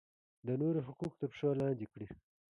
د نورو حقوق تر پښو لاندې کړي.